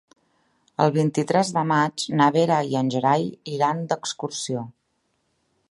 El vint-i-tres de maig na Vera i en Gerai iran d'excursió.